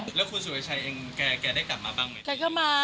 แล้วคุณสุรชัยเองแกได้กลับมาบ้างไหม